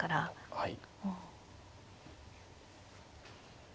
はい。